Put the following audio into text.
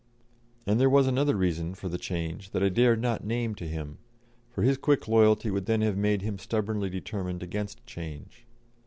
And there was another reason for the change that I dared not name to him, for his quick loyalty would then have made him stubbornly determined against change.